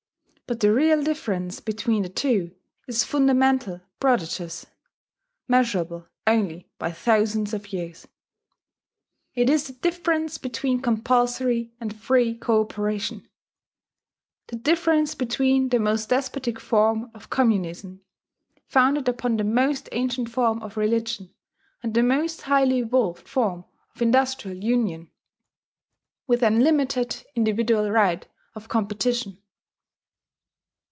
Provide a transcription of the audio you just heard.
But the real difference between the two is fundamental, prodigious, measurable only by thousands of years. It is the difference between compulsory and free cooperation, the difference between the most despotic form of communism, founded upon the most ancient form of religion, and the most highly evolved form of industrial union, with unlimited individual right of competition.